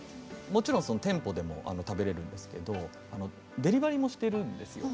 もちろんその店舗でも食べれるんですけどデリバリーもしてるんですよ。